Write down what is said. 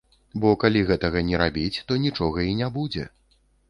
Бо калі гэтага не рабіць, то нічога і не будзе.